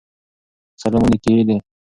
سلام او نيکي هیلی